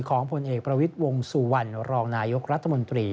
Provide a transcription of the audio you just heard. ผลเอกประวิทย์วงสุวรรณรองนายกรัฐมนตรี